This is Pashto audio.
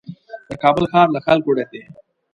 د کابل ښار له خلکو ډک دی.